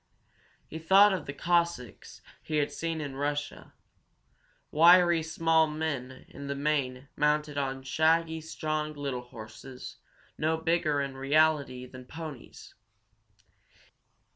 He thought of the Cossacks he had seen in Russia, wiry, small men, in the main, mounted on shaggy, strong, little horses, no bigger in reality than ponies.